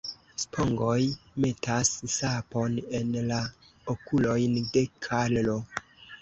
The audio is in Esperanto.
Spongoj metas sapon en la okulojn de Karlo..